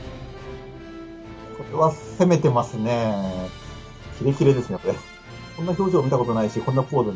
これは攻めてますねー。